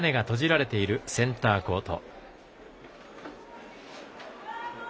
今日は屋根が閉じられているセンターコート。